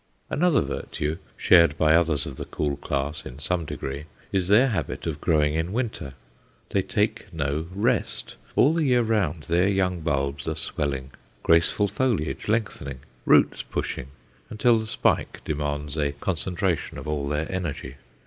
Another virtue, shared by others of the cool class in some degree, is their habit of growing in winter. They take no "rest;" all the year round their young bulbs are swelling, graceful foliage lengthening, roots pushing, until the spike demands a concentration of all their energy.